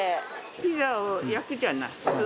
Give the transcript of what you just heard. ピザを焼くじゃない。